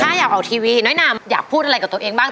ถ้าอยากออกทีวีน้อยนามอยากพูดอะไรกับตัวเองบ้าง